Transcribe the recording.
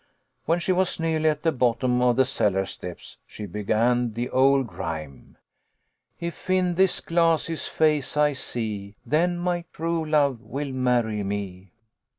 When she was nearly at the bottom of the cellar steps she began the old rhyme :" If in this glass his face I see, Then my true love will many me."